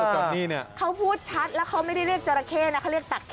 เขาพูดชัดแล้วเขาไม่ได้เรียกจอราเคนะเขาเรียกตาเคด้วยนะ